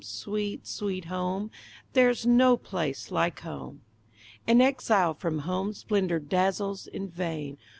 Sweet, Sweet Home! There's no place like Home! An exile from home, splendor dazzles in vain!